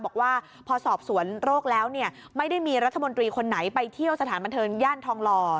บอกว่าพอสอบสวนโรคแล้วเนี่ยไม่ได้มีรัฐมนตรีคนไหนไปเที่ยวสถานบันเทิงย่านทองหล่อ